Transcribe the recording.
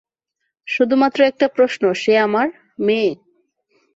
শুধুমাত্র একটা প্রশ্ন -সে আমার মেয়ে।